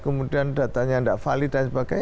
kemudian datanya tidak valid dan sebagainya